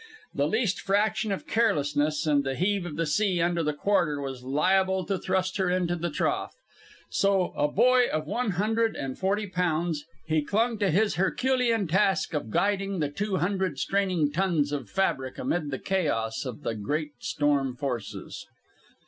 The least fraction of carelessness and the heave of the sea under the quarter was liable to thrust her into the trough. So, a boy of one hundred and forty pounds, he clung to his herculean task of guiding the two hundred straining tons of fabric amid the chaos of the great storm forces.